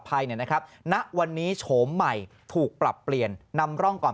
เนี่ยนะครับณวันนี้โฉมใหม่ถูกปรับเปลี่ยนนำร่องก่อน